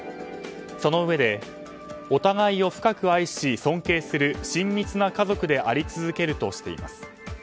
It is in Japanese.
そのうえでお互いを深く愛し尊敬する親密な家族であり続けるとしています。